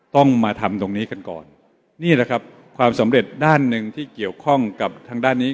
ต้องมาทำตรงนี้กันก่อนนี่แหละครับความสำเร็จด้านหนึ่งที่เกี่ยวข้องกับทางด้านนี้